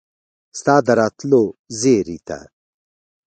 ستا د راتلو زیري ته